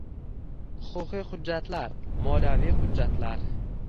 Huquqiy hujjatlar. Moliyaviy hujjatlar...